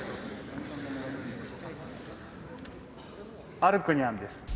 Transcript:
アルクニャンです。